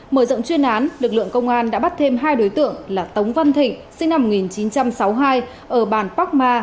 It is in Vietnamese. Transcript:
mở rộng chuyên án lực lượng công an đã bắt thêm hai đối tượng là tống văn thịnh sinh năm một nghìn chín trăm sáu mươi hai ở bàn park ma